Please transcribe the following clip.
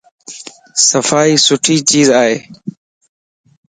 صفائي سٺي چيز ائي